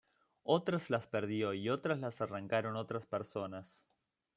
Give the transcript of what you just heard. Otras las perdió y otras las arrancaron otras personas.